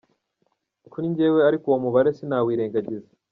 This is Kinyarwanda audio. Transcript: Kuri njyewe ariko uwo mubare sinawirengagiza.”